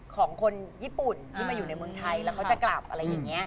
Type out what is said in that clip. ของคนญี่ปุ่นที่มาอยู่ในเมืองไทยแล้วเขาจะกลับอะไรอย่างนี้